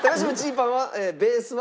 パンはベースは？